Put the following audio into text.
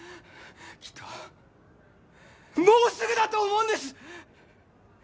きっと、もうすぐだと思うんです。